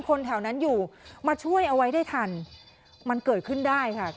คนแถวนั้นอยู่มาช่วยเอาไว้ได้ทันมันเกิดขึ้นได้ค่ะ